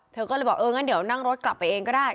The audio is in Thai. เธอก็เลยบอกเอองั้นเดี๋ยวนั่งรถกลับไปเองก็ได้